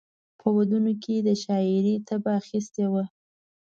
په ودونو کې یې د شاعرۍ طبع اخیستې وه.